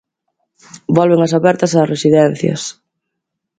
Volven as apertas ás residencias.